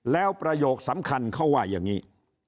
แล้วประโยคสำคัญเขาว่าอย่างนี้